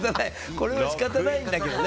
これは仕方ないんだけどね。